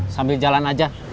sambil jalan aja